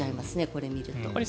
これを見ると。